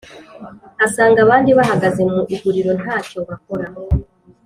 asanga abandi bahagaze mu iguriro nta cyo bakora,